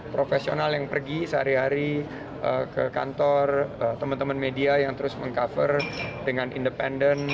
profesional yang pergi sehari hari ke kantor teman teman media yang terus meng cover dengan independen